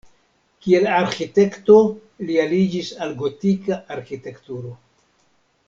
Kiel arĥitekto li aliĝis al gotika arĥitekturo.